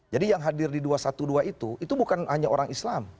jadi yang hadir di dua ratus dua belas itu itu bukan hanya orang islam